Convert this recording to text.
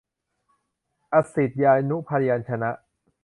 อสีตยานุพยัญชนะ